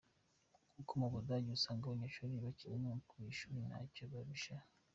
Nko mu Budage, usanga abanyeshuri bakinywa ku ishuri ntacyo bishisha.